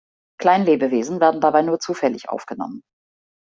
Kleinlebewesen werden dabei nur zufällig aufgenommen.